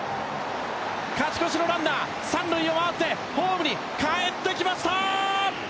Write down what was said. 勝ち越しのランナー、三塁を回ってホームに帰ってきましたー！